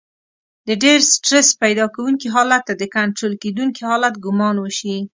د ډېر سټرس پيدا کوونکي حالت ته د کنټرول کېدونکي حالت ګمان وشي.